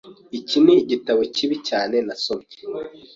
Iki nigitabo kibi cyane nasomye.